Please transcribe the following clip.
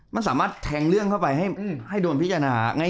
มันสามารถแทงเรื่องเข้าไปให้โดนพิจารณาง่าย